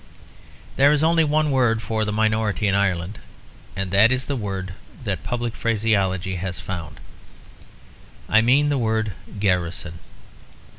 There is only one word for the minority in Ireland, and that is the word that public phraseology has found; I mean the word "Garrison."